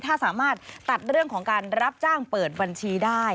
ถ้าสามารถตัดเรื่องของการรับจ้างเปิดบัญชีได้